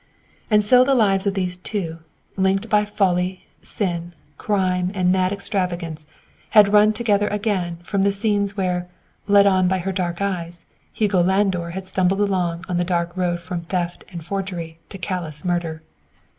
And so the lives of these two, linked by folly, sin, crime and mad extravagance, had run together again far from the scenes where, led on by her dark eyes, Hugo Landor had stumbled along on the dark road from theft and forgery to callous murder.